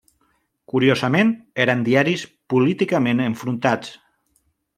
Curiosament, eren diaris políticament enfrontats.